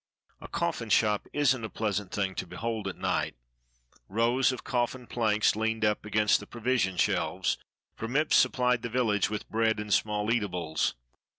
A coflSn shop isn't a pleasant thing to behold at night. Rows of coffin planks leaned up against the provision shelves, for Mipps supplied the village with bread and small eatables.